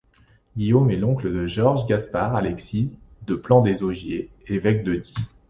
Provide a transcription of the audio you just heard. Guillaume est l'oncle de Georges-Gaspard-Alexis de Plan des Augiers, évêque de Die.